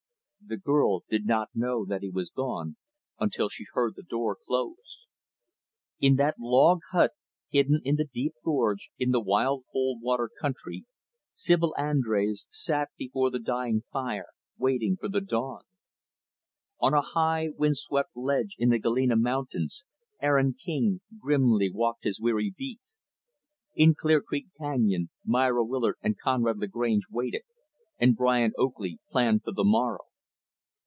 The girl did not know that he was gone, until she heard the door close. In that log hut, hidden in the deep gorge, in the wild Cold Water country, Sibyl Andrés sat before the dying fire, waiting for the dawn. On a high, wind swept ledge in the Galena mountains, Aaron King grimly walked his weary beat. In Clear Creek Canyon, Myra Willard and Conrad Lagrange waited, and Brian Oakley planned for the morrow.